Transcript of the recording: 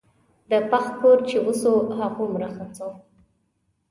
د پښ کور چې وسو هغومره ښه سو.